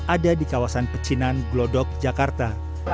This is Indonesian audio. ada di kawasan pecinan glodok jakarta